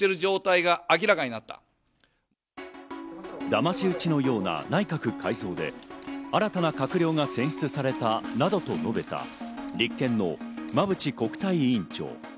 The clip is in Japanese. だまし討ちのような内閣改造で新たな閣僚が選出されたなどと述べた、立憲の馬淵国対委員長。